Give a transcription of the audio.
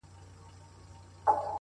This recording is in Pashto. مړ يې کړم اوبه له ياده وباسم؛